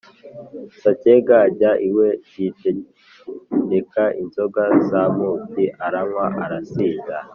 Sacyega ajya iwe, yitereka inzoga z'amuki, aranywa arasinda.